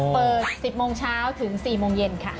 เปิด๑๐โมงเช้าถึง๔โมงเย็นค่ะ